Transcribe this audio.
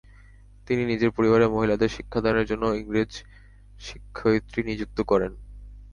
তিনি নিজের পরিবারের মহিলাদের শিক্ষাদানের জন্য ইংরাজ শিক্ষয়িত্রী নিযুক্ত করেন।